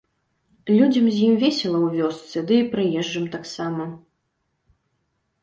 Людзям з ім весела ў вёсцы, ды і прыезджым таксама.